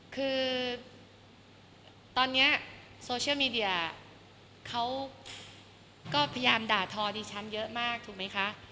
คือตอนนี้โซเชียลมีเดียเขาก็พยายามด่าทอดิฉันเยอะมากถูกไหมคะ